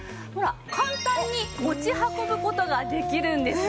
簡単に持ち運ぶ事ができるんですね。